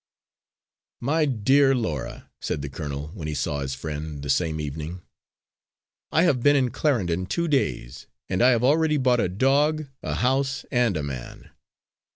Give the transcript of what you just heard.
"My dear Laura," said the colonel when he saw his friend the same evening, "I have been in Clarendon two days; and I have already bought a dog, a house and a man."